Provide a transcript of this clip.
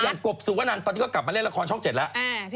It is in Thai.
อย่างกบสู่ว่านั้นตอนที่ก็กลับมาเล่นละครช่อง๗แล้ว